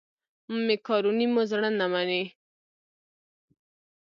مېکاروني مو زړه نه مني.